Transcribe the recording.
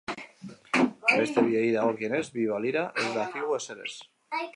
Beste biei dagokienez, bi balira, ez dakigu ezer ere.